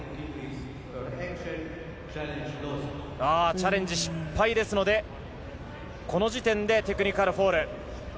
チャレンジ失敗ですので、この時点でテクニカルフォール。